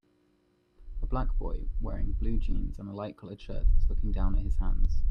A black boy wearing blue jeans and a light colored shirt is looking down at his hands.